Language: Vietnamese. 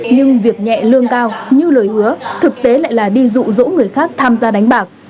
nhưng việc nhẹ lương cao như lời hứa thực tế lại là đi rụ rỗ người khác tham gia đánh bạc